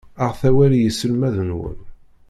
Aɣet awal i yiselmaden-nwen.